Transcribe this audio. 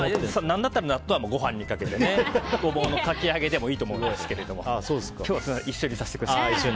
なんだったら納豆は、ご飯にかけてゴボウのかき揚げでもいいと思うんですが今日は一緒にさせてください。